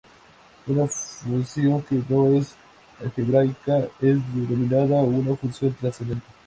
Una función que no es algebraica es denominada una función trascendente.